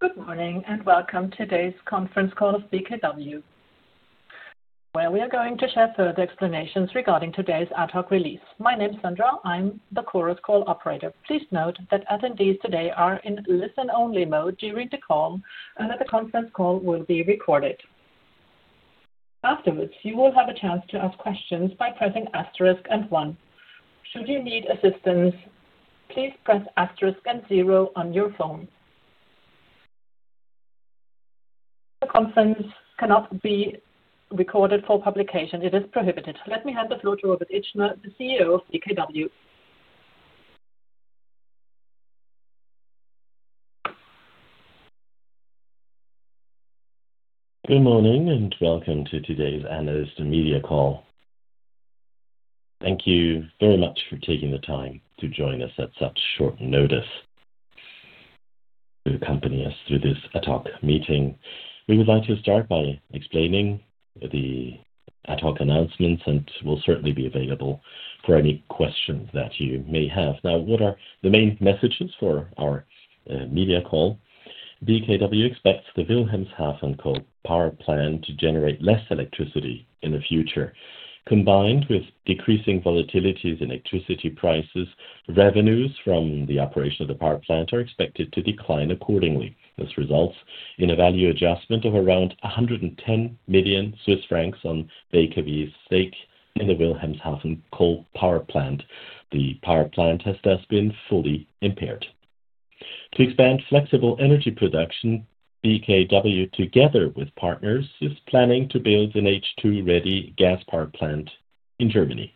Good morning and welcome to today's conference call of BKW. We are going to share further explanations regarding today's ad hoc release. My name is Sandra. I'm the Chorus Call operator. Please note that attendees today are in listen-only mode during the call, and that the conference call will be recorded. Afterwards, you will have a chance to ask questions by pressing asterisk and one. Should you need assistance, please press asterisk and zero on your phone. The conference cannot be recorded for publication. It is prohibited. Let me hand the floor to Robert Itschner, the CEO of BKW. Good morning and welcome to today's analyst and media call. Thank you very much for taking the time to join us at such short notice to accompany us through this ad hoc meeting. We would like to start by explaining the ad hoc announcements, and we'll certainly be available for any questions that you may have. Now, what are the main messages for our media call? BKW expects the Wilhelmshaven Coal Power Plant to generate less electricity in the future. Combined with decreasing volatilities in electricity prices, revenues from the operation of the power plant are expected to decline accordingly. This results in a value adjustment of around 110 million Swiss francs on BKW's stake in the Wilhelmshaven Coal Power Plant. The power plant has thus been fully impaired. To expand flexible energy production, BKW, together with partners, is planning to build an H2-ready gas power plant in Germany.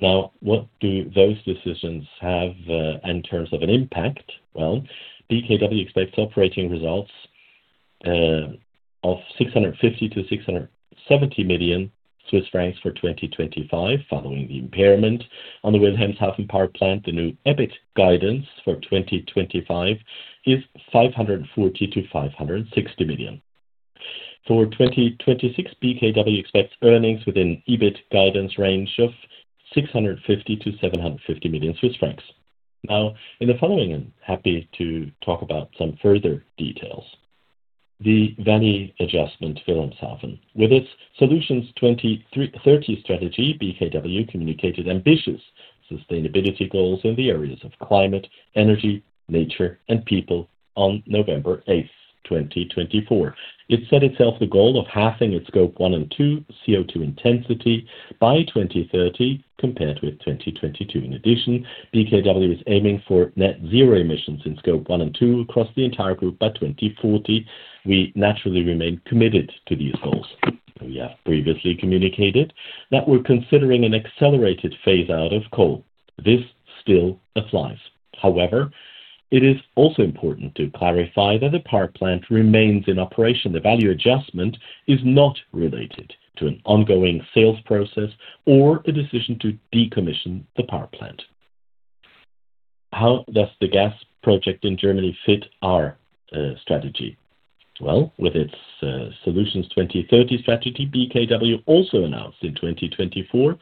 Now, what do those decisions have in terms of an impact? Well, BKW expects operating results of 650 million-670 million Swiss francs for 2025, following the impairment on the Wilhelmshaven Power Plant. The new EBIT guidance for 2025 is 540 million-560 million. For 2026, BKW expects earnings within EBIT guidance range of 650 million-750 million Swiss francs. Now, in the following, I'm happy to talk about some further details. The value adjustment to Wilhelmshaven. With its Solutions 2030 strategy, BKW communicated ambitious sustainability goals in the areas of climate, energy, nature, and people on November 8th, 2024. It set itself the goal of halving its Scope 1 and 2 CO2 intensity by 2030 compared with 2022. In addition, BKW is aiming for net zero emissions in Scope 1 and 2 across the entire group by 2040. We naturally remain committed to these goals. We have previously communicated that we're considering an accelerated phase-out of coal. This still applies. However, it is also important to clarify that the power plant remains in operation. The value adjustment is not related to an ongoing sales process or a decision to decommission the power plant. How does the gas project in Germany fit our strategy? Well, with its Solutions 2030 strategy, BKW also announced in 2024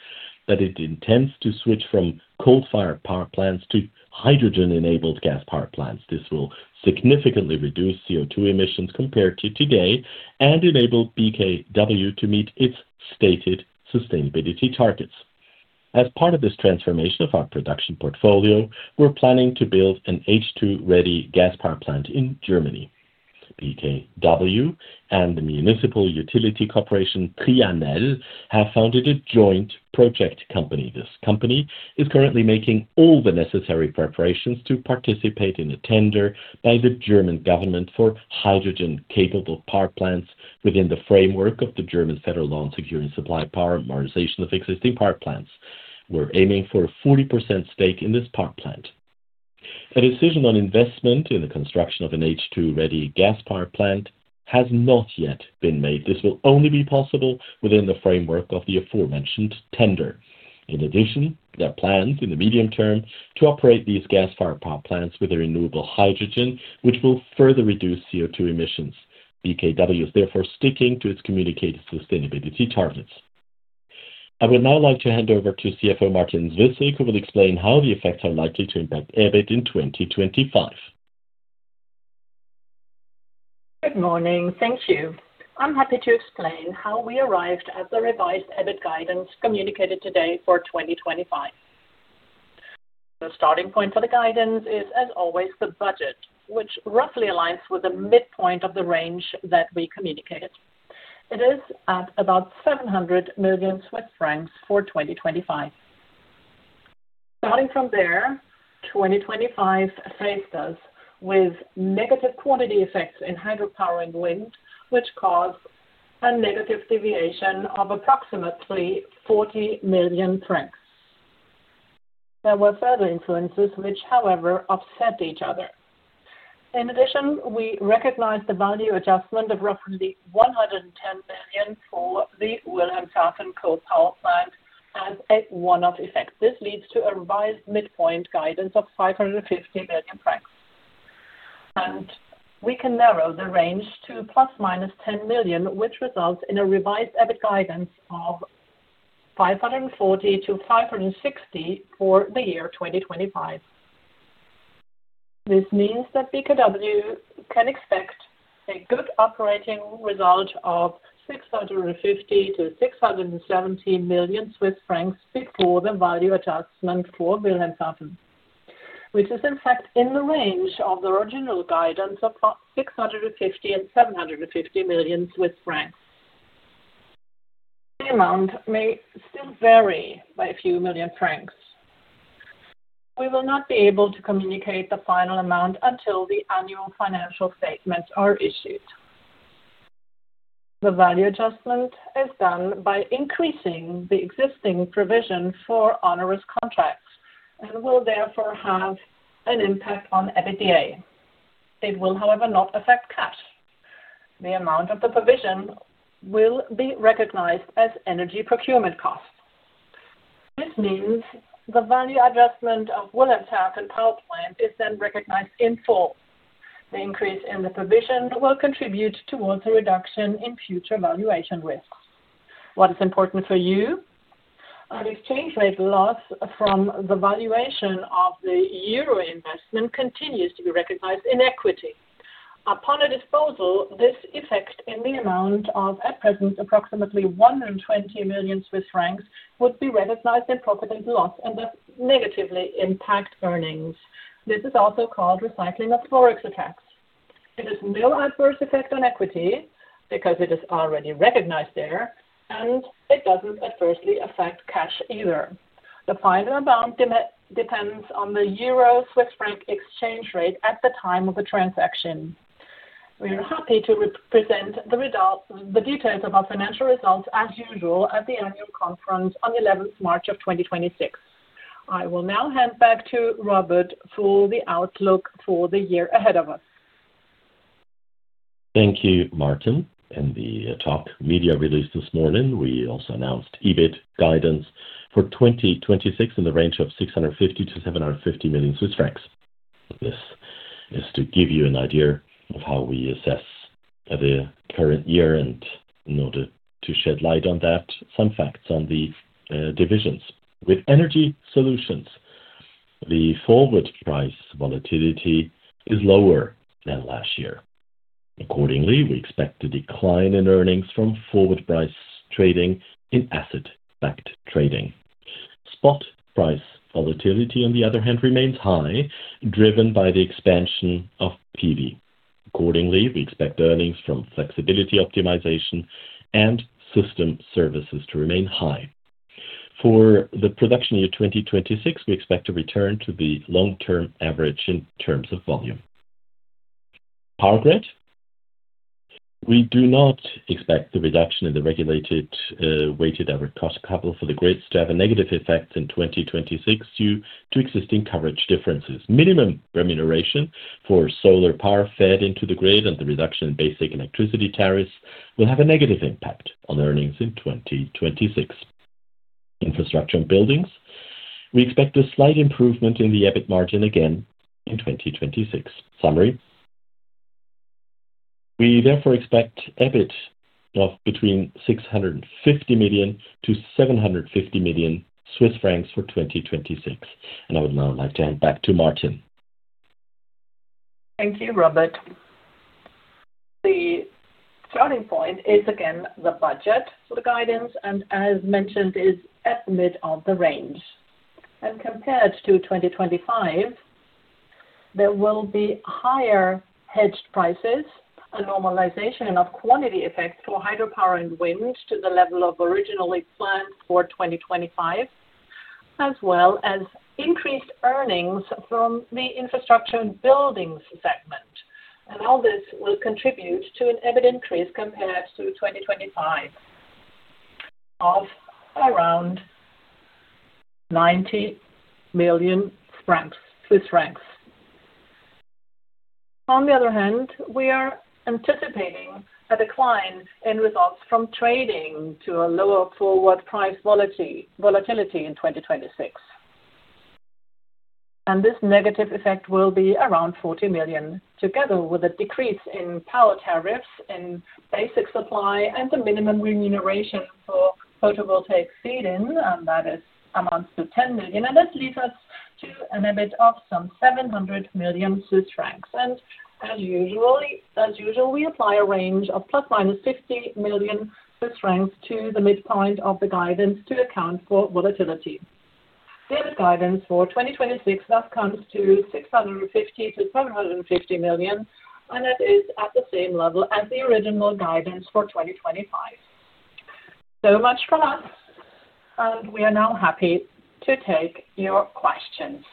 that it intends to switch from coal-fired power plants to hydrogen-enabled gas power plants. This will significantly reduce CO2 emissions compared to today and enable BKW to meet its stated sustainability targets. As part of this transformation of our production portfolio, we're planning to build an H2-ready gas power plant in Germany. BKW and the municipal utility corporation Trianel have founded a joint project company. This company is currently making all the necessary preparations to participate in a tender by the German government for hydrogen-capable power plants within the framework of the German Federal Law on Securing Supply Power and Modernization of Existing Power Plants. We're aiming for a 40% stake in this power plant. A decision on investment in the construction of an H2-ready gas power plant has not yet been made. This will only be possible within the framework of the aforementioned tender. In addition, they're planned in the medium term to operate these gas-fired power plants with renewable hydrogen, which will further reduce CO2 emissions. BKW is therefore sticking to its communicated sustainability targets. I would now like to hand over to CFO Martin Zwyssig, who will explain how the effects are likely to impact EBIT in 2025. Good morning. Thank you. I'm happy to explain how we arrived at the revised EBIT guidance communicated today for 2025. The starting point for the guidance is, as always, the budget, which roughly aligns with the midpoint of the range that we communicated. It is at about 700 million Swiss francs for 2025. Starting from there, 2025 faced us with negative quantity effects in hydropower and wind, which caused a negative deviation of approximately 40 million francs. There were further influences which, however, offset each other. In addition, we recognized the value adjustment of roughly 110 million for the Wilhelmshaven Coal Power Plant as a one-off effect. This leads to a revised midpoint guidance of 550 million francs, and we can narrow the range to plus-minus 10 million, which results in a revised EBIT guidance of 540 million to 560 million for the year 2025. This means that BKW can expect a good operating result of 650-670 million Swiss francs before the value adjustment for Wilhelmshaven, which is, in fact, in the range of the original guidance of 650 and 750 million. The amount may still vary by a few million francs. We will not be able to communicate the final amount until the annual financial statements are issued. The value adjustment is done by increasing the existing provision for onerous contracts and will therefore have an impact on EBITDA. It will, however, not affect cash. The amount of the provision will be recognized as energy procurement costs. This means the value adjustment of Wilhelmshaven Power Plant is then recognized in full. The increase in the provision will contribute towards a reduction in future valuation risks. What is important for you? An exchange rate loss from the valuation of the euro investment continues to be recognized in equity. Upon a disposal, this effect in the amount of, at present, approximately 120 million Swiss francs would be recognized in profit and loss and thus negatively impact earnings. This is also called recycling of forex effects. It has no adverse effect on equity because it is already recognized there, and it doesn't adversely affect cash either. The final amount depends on the euro-Swiss franc exchange rate at the time of the transaction. We are happy to present the details of our financial results, as usual, at the annual conference on 11th March of 2026. I will now hand back to Robert for the outlook for the year ahead of us. Thank you, Martin. In the ad hoc media release this morning, we also announced EBIT guidance for 2026 in the range of 650 million-750 million Swiss francs. This is to give you an idea of how we assess the current year, and in order to shed light on that, some facts on the divisions. With Energy Solutions, the forward price volatility is lower than last year. Accordingly, we expect a decline in earnings from forward price trading in asset-backed trading. Spot price volatility, on the other hand, remains high, driven by the expansion of PV. Accordingly, we expect earnings from flexibility optimization and system services to remain high. For the production year 2026, we expect a return to the long-term average in terms of volume. Power Grid, we do not expect the reduction in the regulated weighted average cost capital for the grids to have a negative effect in 2026 due to existing coverage differences. Minimum remuneration for solar power fed into the grid and the reduction in basic electricity tariffs will have a negative impact on earnings in 2026. Infrastructure and Buildings, we expect a slight improvement in the EBIT margin again in 2026. Summary, we therefore expect EBIT of between 650 million to 750 million Swiss francs for 2026, and I would now like to hand back to Martin. Thank you, Robert. The starting point is, again, the budget for the guidance, and as mentioned, is at the mid of the range, and compared to 2025, there will be higher hedged prices, a normalization of quantity effects for hydropower and wind to the level of originally planned for 2025, as well as increased earnings from the Infrastructure and Buildings segment, and all this will contribute to an EBIT increase compared to 2025 of around 90 million francs. On the other hand, we are anticipating a decline in results from trading to a lower forward price volatility in 2026. And this negative effect will be around 40 million CHF, together with a decrease in power tariffs in basic supply and the minimum remuneration for photovoltaic feed-in, and that amounts to 10 million CHF. And this leads us to an EBIT of some 700 million Swiss francs. And as usual, we apply a range of plus-minus 50 million Swiss francs to the midpoint of the guidance to account for volatility. The EBIT guidance for 2026 thus comes to 650 million-750 million, and it is at the same level as the original guidance for 2025. So much from us, and we are now happy to take your questions.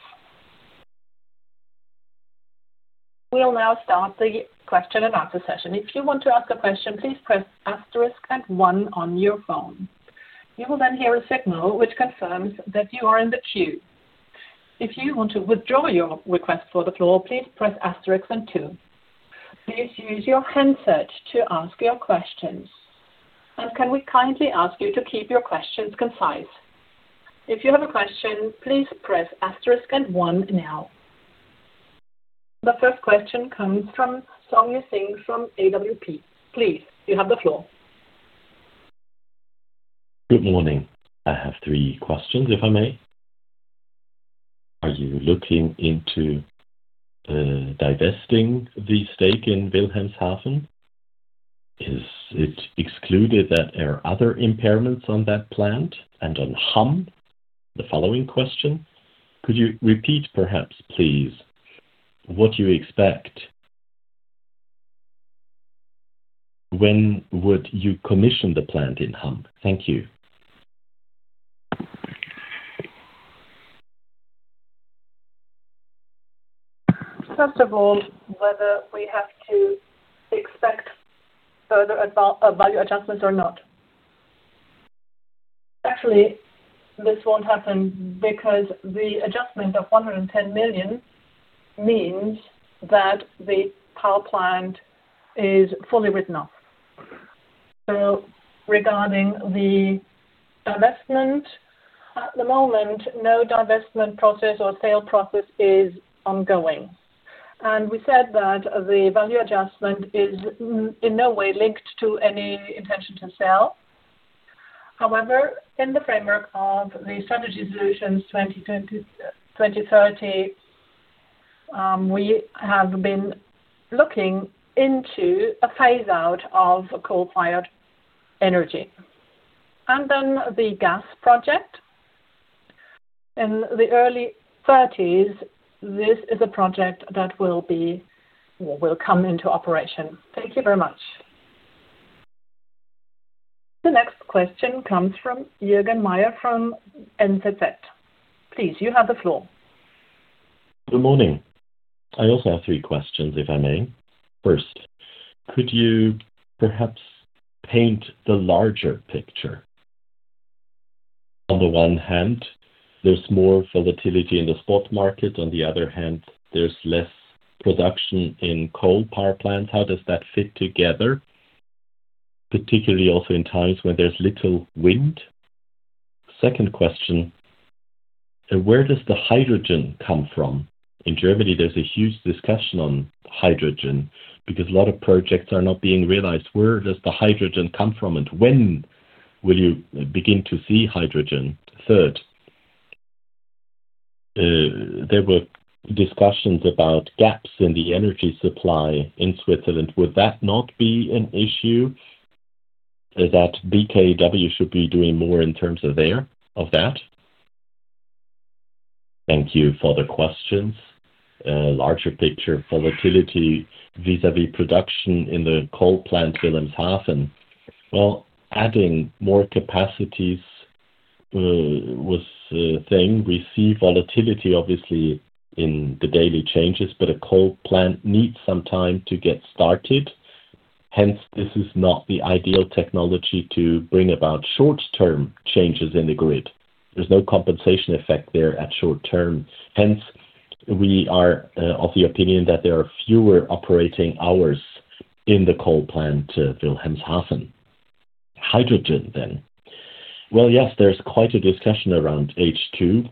We'll now start the question and answer session. If you want to ask a question, please press asterisk and one on your phone. You will then hear a signal which confirms that you are in the queue. If you want to withdraw your request for the floor, please press asterisk and two. Please use your handset to ask your questions. And can we kindly ask you to keep your questions concise? If you have a question, please press asterisk and one now. The first question comes from Sonja Singh from AWP. Please, you have the floor. Good morning. I have three questions, if I may. Are you looking into divesting the stake in Wilhelmshaven? Is it excluded that there are other impairments on that plant? And on Hamm, the following question. Could you repeat, perhaps, please, what you expect? When would you commission the plant in Hamm? Thank you. First of all, whether we have to expect further value adjustments or not. Actually, this won't happen because the adjustment of 110 million means that the power plant is fully written off. So regarding the divestment, at the moment, no divestment process or sale process is ongoing. And we said that the value adjustment is in no way linked to any intention to sell. However, in the framework of the Strategy Solutions 2030, we have been looking into a phase-out of coal-fired energy. And then the gas project. In the early 30s, this is a project that will come into operation. Thank you very much. The next question comes from Jürg Meier from NZZ. Please, you have the floor. Good morning. I also have three questions, if I may. First, could you perhaps paint the larger picture? On the one hand, there's more volatility in the spot market. On the other hand, there's less production in coal power plants. How does that fit together, particularly also in times when there's little wind? Second question, where does the hydrogen come from? In Germany, there's a huge discussion on hydrogen because a lot of projects are not being realized. Where does the hydrogen come from, and when will you begin to see hydrogen? Third, there were discussions about gaps in the energy supply in Switzerland. Would that not be an issue that BKW should be doing more in terms of that? Thank you for the questions. Larger picture volatility vis-à-vis production in the coal plant Wilhelmshaven. Well, adding more capacities was a thing. We see volatility, obviously, in the daily changes, but a coal plant needs some time to get started. Hence, this is not the ideal technology to bring about short-term changes in the grid. There's no compensation effect there at short term. Hence, we are of the opinion that there are fewer operating hours in the coal plant Wilhelmshaven. Hydrogen, then. Well, yes, there's quite a discussion around H2.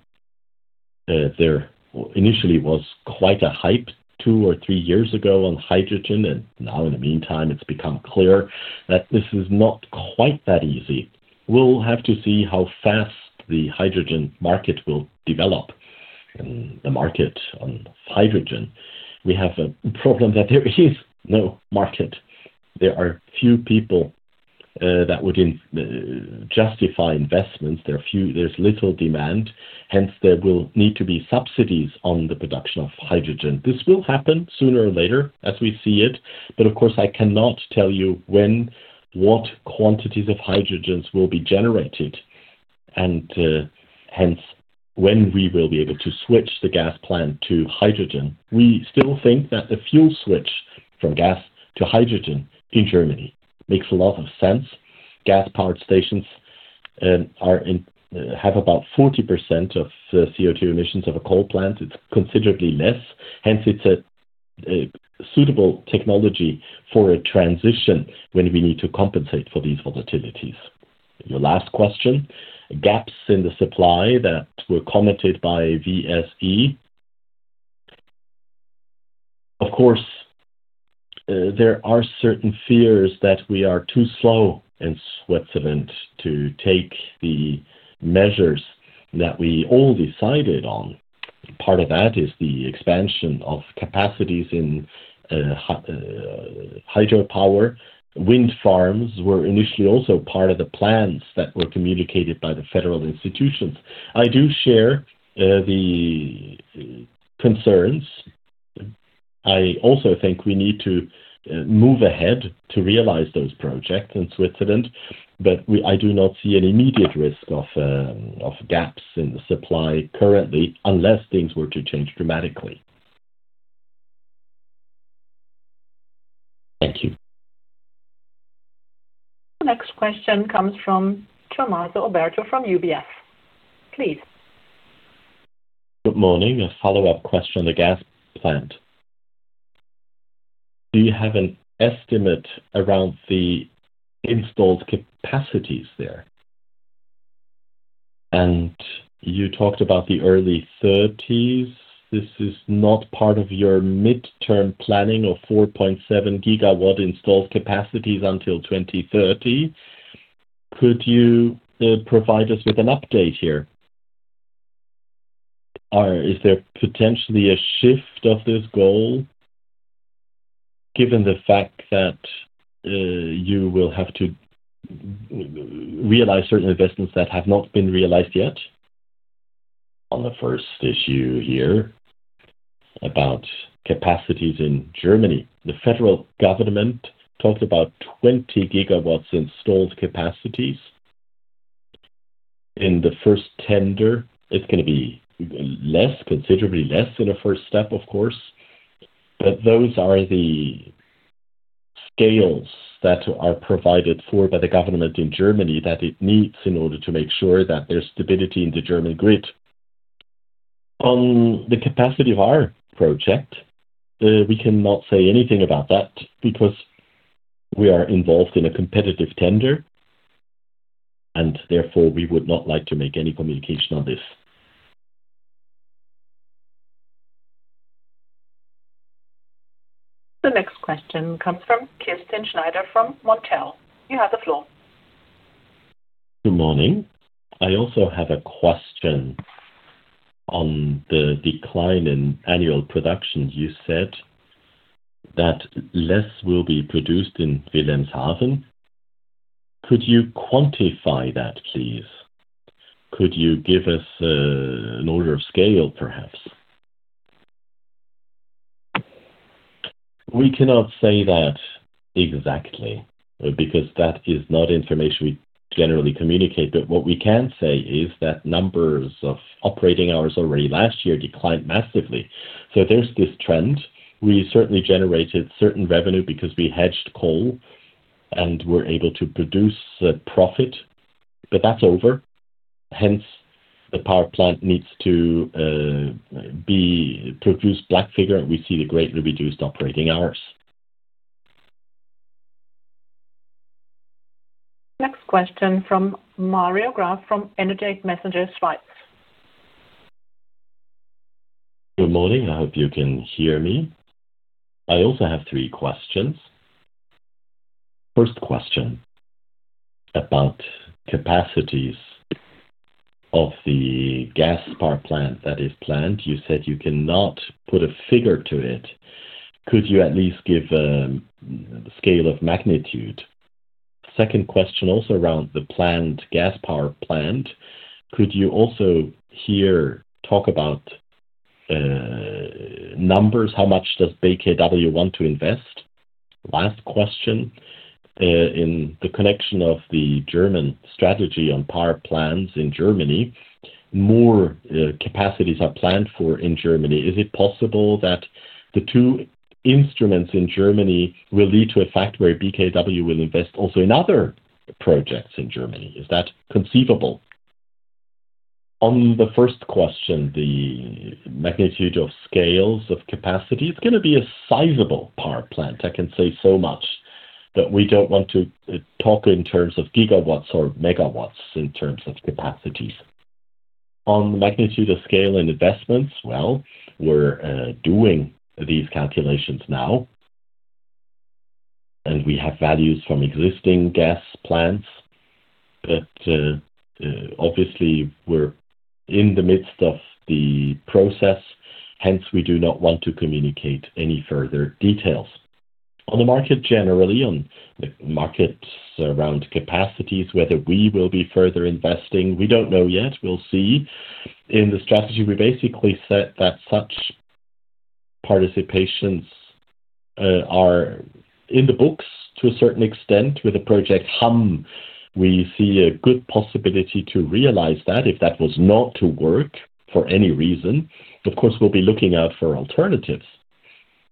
There initially was quite a hype two or three years ago on hydrogen, and now, in the meantime, it's become clear that this is not quite that easy. We'll have to see how fast the hydrogen market will develop in the market on hydrogen. We have a problem that there is no market. There are few people that would justify investments. There's little demand. Hence, there will need to be subsidies on the production of hydrogen. This will happen sooner or later, as we see it. But, of course, I cannot tell you when, what quantities of hydrogen will be generated, and hence when we will be able to switch the gas plant to hydrogen. We still think that the fuel switch from gas to hydrogen in Germany makes a lot of sense. Gas-powered stations have about 40% of CO2 emissions of a coal plant. It's considerably less. Hence, it's a suitable technology for a transition when we need to compensate for these volatilities. Your last question, gaps in the supply that were commented by VSE. Of course, there are certain fears that we are too slow in Switzerland to take the measures that we all decided on. Part of that is the expansion of capacities in hydropower. Wind farms were initially also part of the plans that were communicated by the federal institutions. I do share the concerns. I also think we need to move ahead to realize those projects in Switzerland, but I do not see an immediate risk of gaps in the supply currently unless things were to change dramatically. Thank you. The next question comes from Tommaso Oberto from UBS. Please. Good morning. A follow-up question on the gas plant. Do you have an estimate around the installed capacities there? And you talked about the early 30s. This is not part of your midterm planning of 4.7 gigawatts installed capacities until 2030. Could you provide us with an update here? Is there potentially a shift of this goal given the fact that you will have to realize certain investments that have not been realized yet? On the first issue here about capacities in Germany, the federal government talked about 20 gigawatts installed capacities in the first tender. It's going to be less, considerably less in a first step, of course. But those are the scales that are provided for by the government in Germany that it needs in order to make sure that there's stability in the German grid. On the capacity of our project, we cannot say anything about that because we are involved in a competitive tender, and therefore, we would not like to make any communication on this. The next question comes from Kerstin Schneider from Montel. You have the floor. Good morning. I also have a question on the decline in annual production. You said that less will be produced in Wilhelmshaven. Could you quantify that, please? Could you give us an order of scale, perhaps? We cannot say that exactly because that is not information we generally communicate. But what we can say is that numbers of operating hours already last year declined massively. So there's this trend. We certainly generated certain revenue because we hedged coal and were able to produce profit, but that's over. Hence, the power plant needs to produce black figure, and we see the greatly reduced operating hours. Next question from Mario Graf from energate messenger Schweiz. Good morning. I hope you can hear me. I also have three questions. First question about capacities of the gas power plant that is planned. You said you cannot put a figure to it. Could you at least give a scale of magnitude? Second question also around the planned gas power plant. Could you also hear talk about numbers? How much does BKW want to invest? Last question. In connection with the German strategy on power plants in Germany, more capacities are planned for in Germany. Is it possible that the two instruments in Germany will lead to a fact where BKW will invest also in other projects in Germany? Is that conceivable? On the first question, the magnitude of scales of capacity. It's going to be a sizable power plant. I can say so much that we don't want to talk in terms of gigawatts or megawatts in terms of capacities. On the magnitude of scale and investments, well, we're doing these calculations now, and we have values from existing gas plants. But obviously, we're in the midst of the process. Hence, we do not want to communicate any further details. On the market generally, on the markets around capacities, whether we will be further investing, we don't know yet. We'll see. In the strategy, we basically said that such participations are in the books to a certain extent. With the Hamm project, we see a good possibility to realize that. If that was not to work for any reason, of course, we'll be looking out for alternatives,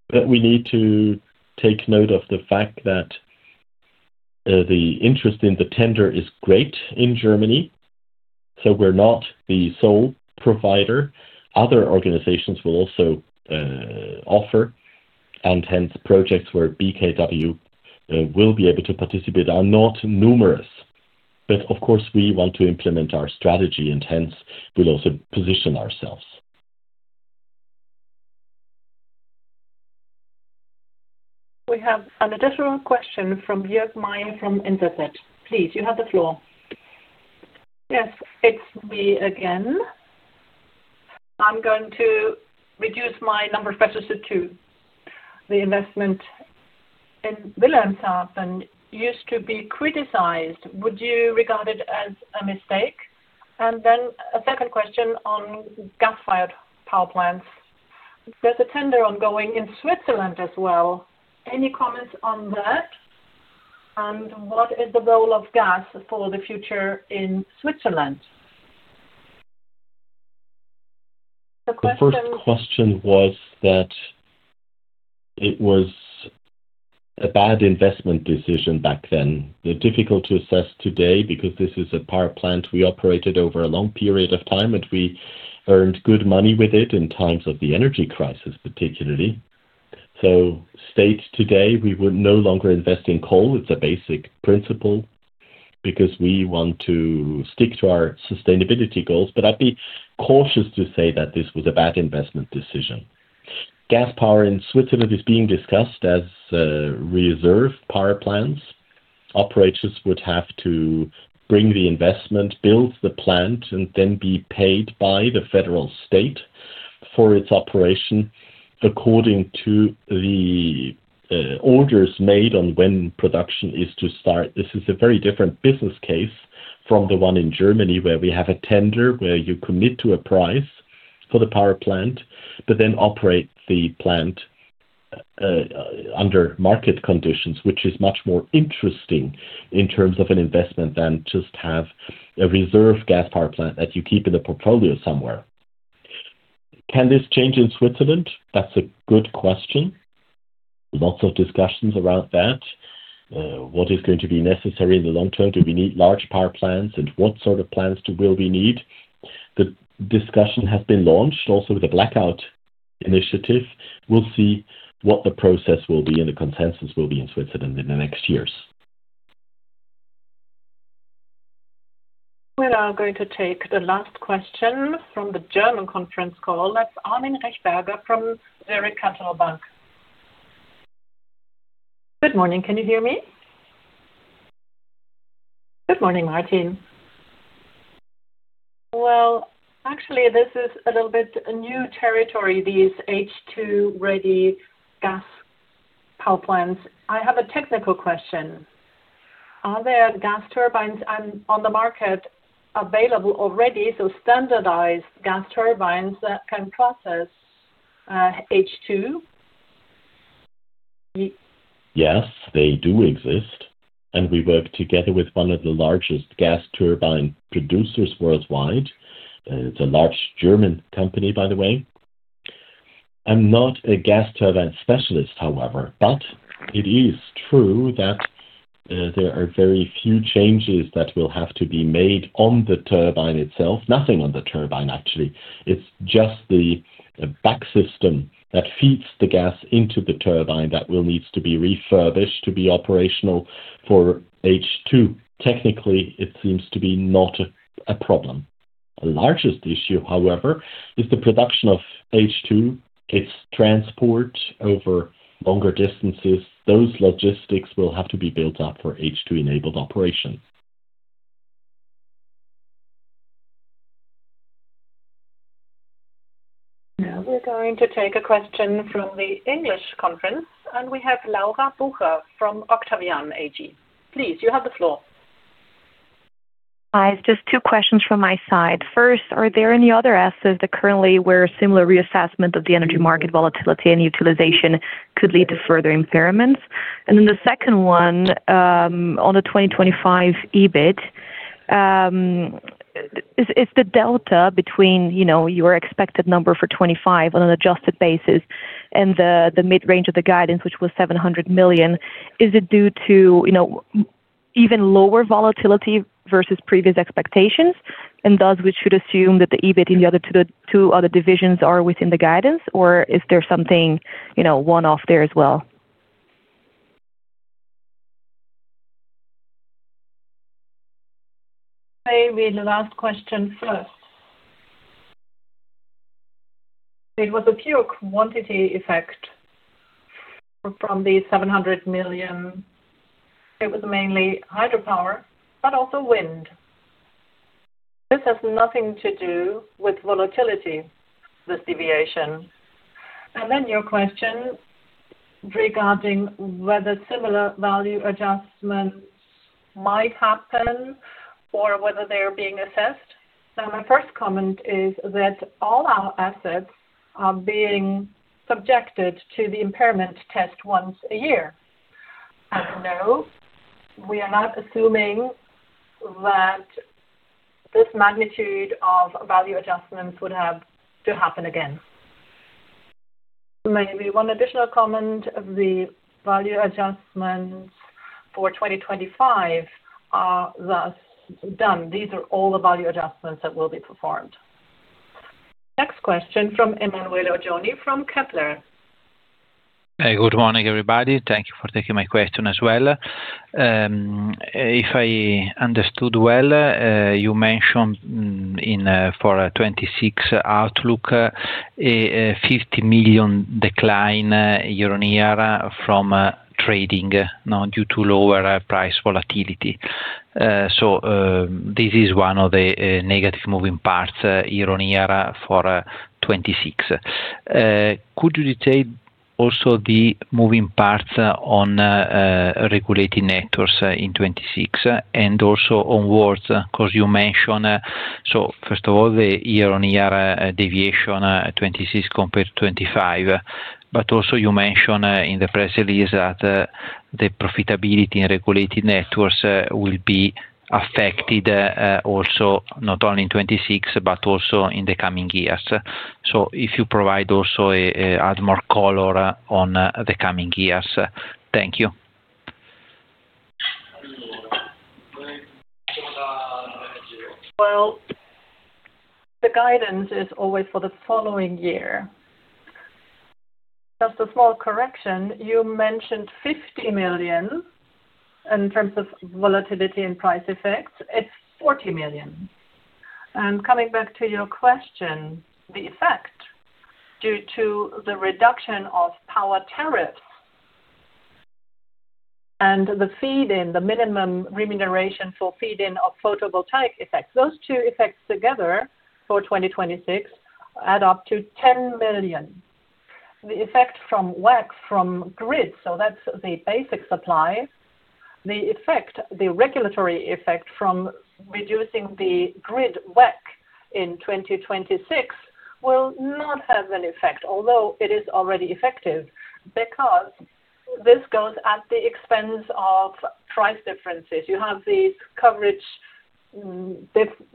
but we need to take note of the fact that the interest in the tender is great in Germany. So we're not the sole provider. Other organizations will also offer. And hence, projects where BKW will be able to participate are not numerous. But, of course, we want to implement our strategy, and hence, we'll also position ourselves. We have an additional question from Jürg Meier from NZZ. Please, you have the floor. Yes, it's me again. I'm going to reduce my number of questions to two. The investment in Wilhelmshaven used to be criticized. Would you regard it as a mistake? And then a second question on gas-fired power plants. There's a tender ongoing in Switzerland as well. Any comments on that? And what is the role of gas for the future in Switzerland? The question. The first question was that it was a bad investment decision back then. It's difficult to assess today because this is a power plant we operated over a long period of time, and we earned good money with it in times of the energy crisis, particularly. So, as of today, we would no longer invest in coal. It's a basic principle because we want to stick to our sustainability goals. But I'd be cautious to say that this was a bad investment decision. Gas power in Switzerland is being discussed as reserve power plants. Operators would have to bring the investment, build the plant, and then be paid by the federal state for its operation according to the orders made on when production is to start. This is a very different business case from the one in Germany where we have a tender where you commit to a price for the power plant, but then operate the plant under market conditions, which is much more interesting in terms of an investment than just have a reserve gas power plant that you keep in the portfolio somewhere. Can this change in Switzerland? That's a good question. Lots of discussions around that. What is going to be necessary in the long term? Do we need large power plants, and what sort of plans will we need? The discussion has been launched also with the Blackout Initiative. We'll see what the process will be and the consensus will be in Switzerland in the next years. We're now going to take the last question from the German conference call. That's Armin Rechberger from Zurich Cantonal Bank. Good morning. Can you hear me? Good morning, Martin. Actually, this is a little bit new territory, these H2-ready gas power plants. I have a technical question. Are there gas turbines on the market available already, so standardized gas turbines that can process H2? Yes, they do exist. And we work together with one of the largest gas turbine producers worldwide. It's a large German company, by the way. I'm not a gas turbine specialist, however, but it is true that there are very few changes that will have to be made on the turbine itself. Nothing on the turbine, actually. It's just the back system that feeds the gas into the turbine that will need to be refurbished to be operational for H2. Technically, it seems to be not a problem. The largest issue, however, is the production of H2. It's transport over longer distances. Those logistics will have to be built up for H2-enabled operation. Now we're going to take a question from the English conference. And we have Laura Bucher from Octavian AG. Please, you have the floor. Hi. Just two questions from my side. First, are there any other assets that currently where a similar reassessment of the energy market volatility and utilization could lead to further impairments? And then the second one on the 2025 EBIT. Is the delta between your expected number for 2025 on an adjusted basis and the mid-range of the guidance, which was 700 million, is it due to even lower volatility versus previous expectations? And thus, we should assume that the EBIT in the other two divisions are within the guidance, or is there something one-off there as well? Maybe the last question first. It was a pure quantity effect from the 700 million. It was mainly hydropower, but also wind. This has nothing to do with volatility, this deviation. And then your question regarding whether similar value adjustments might happen or whether they're being assessed. Now, my first comment is that all our assets are being subjected to the impairment test once a year. And no, we are not assuming that this magnitude of value adjustments would have to happen again. Maybe one additional comment. The value adjustments for 2025 are thus done. These are all the value adjustments that will be performed. Next question from Emanuele Oggioni from Kepler. Hi. Good morning, everybody. Thank you for taking my question as well. If I understood well, you mentioned for a 2026 outlook, a 50 million decline year-on-year from trading due to lower price volatility. So this is one of the negative moving parts year-on-year for 2026. Could you detail also the moving parts on regulated networks in 2026 and also onwards? Because you mentioned, so first of all, the year-on-year deviation 2026 compared to 2025. But also you mentioned in the press release that the profitability in regulated networks will be affected also not only in 2026, but also in the coming years. So if you provide also add more color on the coming years. Thank you. The guidance is always for the following year. Just a small correction. You mentioned 50 million in terms of volatility and price effects. It's 40 million. Coming back to your question, the effect due to the reduction of power tariffs and the feed-in, the minimum remuneration for feed-in of photovoltaic effects, those two effects together for 2026 add up to 10 million. The effect from WACC, from grid, so that's the basic supply. The regulatory effect from reducing the grid WACC in 2026 will not have an effect, although it is already effective because this goes at the expense of price differences. You have these coverage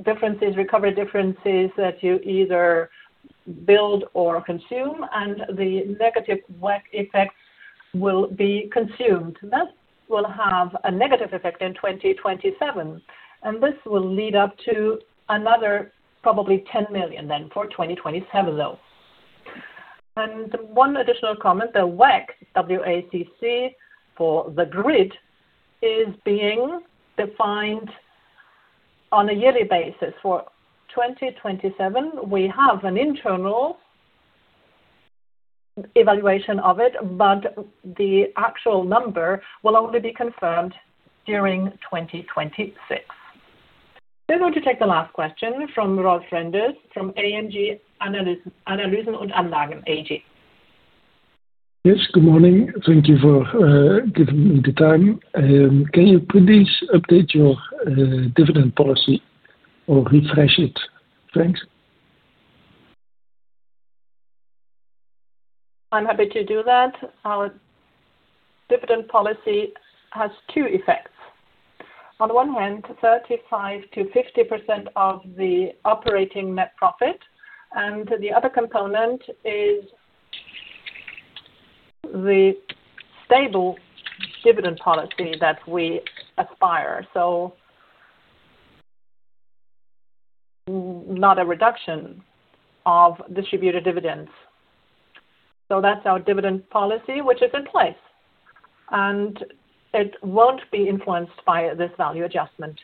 differences, recovery differences that you either build or consume, and the negative WACC effects will be consumed. That will have a negative effect in 2027. This will lead up to another probably 10 million then for 2027, though. And one additional comment, the WACC for the grid is being defined on a yearly basis for 2027. We have an internal evaluation of it, but the actual number will only be confirmed during 2026. Then we'll take the last question from Rolf Renders from AMG Analysen & Anlagen AG. Yes, good morning. Thank you for giving me the time. Can you please update your dividend policy or refresh it? Thanks. I'm happy to do that. Our dividend policy has two effects. On the one hand, 35%-50% of the operating net profit. And the other component is the stable dividend policy that we aspire. So not a reduction of distributed dividends. So that's our dividend policy, which is in place. And it won't be influenced by this value adjustment.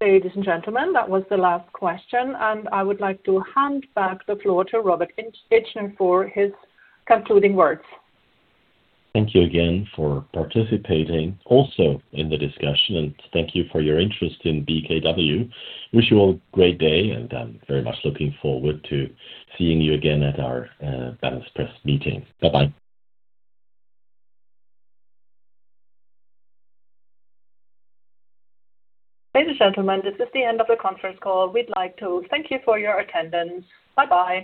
Ladies and gentlemen, that was the last question. And I would like to hand back the floor to Robert Itschner for his concluding words. Thank you again for participating also in the discussion. And thank you for your interest in BKW. Wish you all a great day. And I'm very much looking forward to seeing you again at our balance press meeting. Bye-bye. Ladies and gentlemen, this is the end of the conference call. We'd like to thank you for your attendance. Bye-bye.